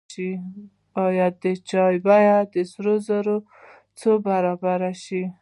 باید د چای بیه د سرو زرو څو برابره شي.